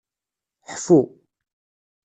Ḥfu.